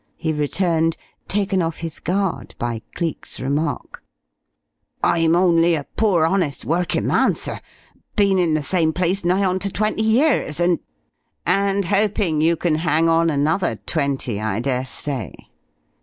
he returned, taken off his guard by Cleek's remark. "I'm only a poor, honest workin' man, sir, been in the same place nigh on to twenty years and " "And hoping you can hang on another twenty, I dare say!"